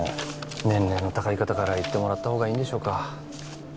年齢の高い方から行ってもらったほうがいいんでしょうか？